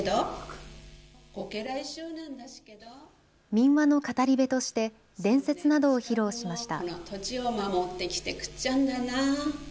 民話の語り部として伝説などを披露しました。